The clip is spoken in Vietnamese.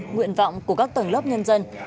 nguyện vọng của các tờ lớp nhân dân